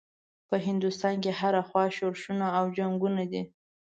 په هندوستان کې هره خوا شورشونه او جنګونه دي.